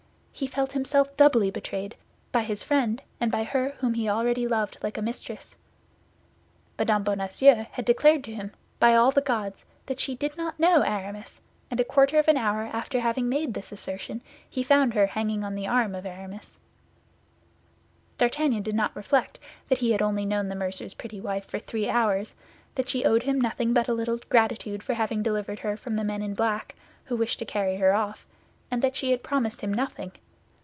He felt himself doubly betrayed, by his friend and by her whom he already loved like a mistress. Mme. Bonacieux had declared to him, by all the gods, that she did not know Aramis; and a quarter of an hour after having made this assertion, he found her hanging on the arm of Aramis. D'Artagnan did not reflect that he had only known the mercer's pretty wife for three hours; that she owed him nothing but a little gratitude for having delivered her from the men in black, who wished to carry her off, and that she had promised him nothing.